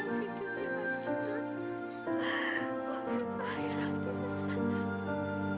mengertilah tohpamu yang luar ini